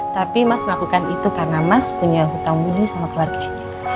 tapi mas melakukan itu karena mas punya hutang budi sama keluarganya